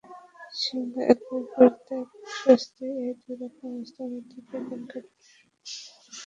সিংহ একবার বিপর্যস্ত, একবার স্বস্তি—এই দুরকম অবস্থার মধ্যে দিয়ে দিন কাটাবেন।